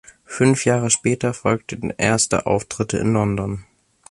Fünf Jahre später folgten erste Auftritte in London.